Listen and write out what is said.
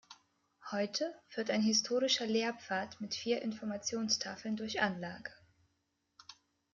Heute führt ein historischer Lehrpfad mit vier Informationstafeln durch Anlage.